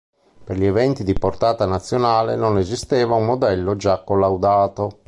Per gli eventi di portata nazionale non esisteva un modello già collaudato.